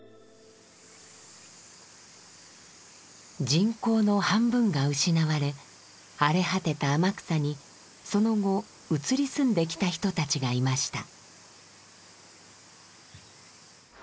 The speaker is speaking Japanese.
人口の半分が失われ荒れ果てた天草にその後移り住んできた人たちがいました。